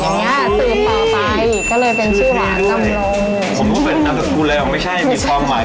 ทุนมบ่งทุนมบ่งขี้อะคือว่าเก๋ดแล้วนี่